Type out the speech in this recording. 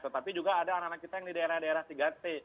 tetapi juga ada anak anak kita yang di daerah daerah tiga t